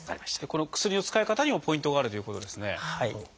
この薬の使い方にもポイントがあるということですね。